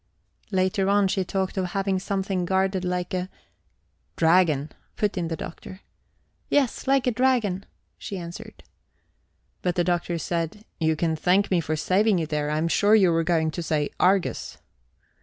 Later on, she talked of having something guarded like a ... "Dragon," put in the Doctor. "Yes, like a dragon," she answered. But the Doctor said: "You can thank me for saving you there. I am sure you were going to say Argus."